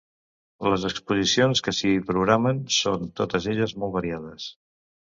Les exposicions que s'hi programen són totes elles molt variades.